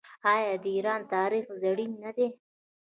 آیا د ایران تاریخ زرین نه دی؟